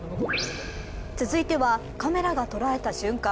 続いてはカメラがとらえた瞬間。